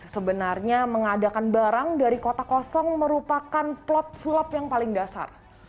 sebenarnya mengadakan barang dari kota kosong merupakan plot sulap yang paling dasar